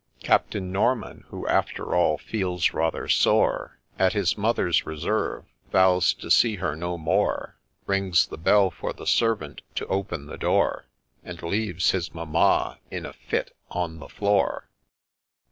—— Captain Norman, who, after all, feels rather sore At his mother's reserve, vows to see her no more, Rings the bell for the servant to open the door, And leaves his Mamma in a fit on the floor.